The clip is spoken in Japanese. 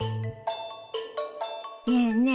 ねえねえ